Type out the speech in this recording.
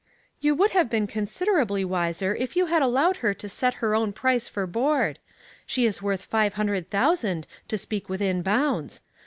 " You would have been considerably wiser if you had allowed her to set her own price for board. She is worth five hundred thousand, to speak within bounds.